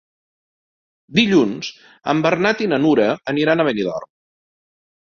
Dilluns en Bernat i na Nura aniran a Benidorm.